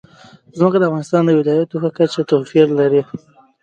ځمکه د افغانستان د ولایاتو په کچه توپیر لري.